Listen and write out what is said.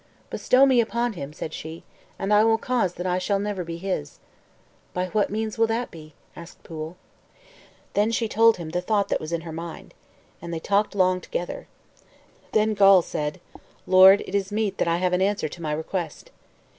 "Bestow me upon him," said she, "and I will cause that I shall never be his." "By what means will that be?" asked Pwyll. Then she told him the thought that was in her mind. And they talked long together. Then Gawl said, "Lord, it is meet that I have an answer to my request."